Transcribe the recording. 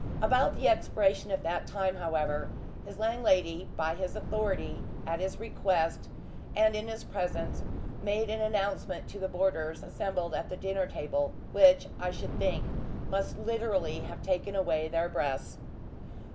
About the expiration of that time, however, his landlady, by his authority, at his request, and in his presence, made an announcement to the boarders assembled at the dinner table which, I should think, must literally have taken away their breaths.